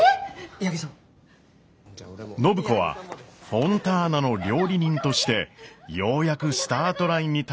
暢子はフォンターナの料理人としてようやくスタートラインに立つことができたのです。